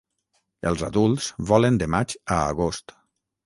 Els adults volen de maig a agost.